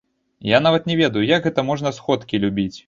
Я нават не ведаю, як гэта можна сходкі любіць.